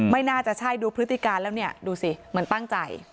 ไม่น่าจะใช่ดูพฤติการแล้วเนี่ยดูสิเหมือนตั้งใจ